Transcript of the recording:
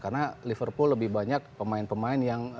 karena liverpool lebih banyak pemain pemain yang